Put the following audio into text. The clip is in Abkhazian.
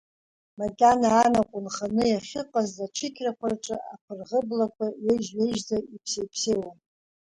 Макьана анаҟә нханы иахьыҟаз ачықьрақәа рҿы аԥырӷыблақәа ҩежь-ҩежьӡа иԥсеиԥсеиуан.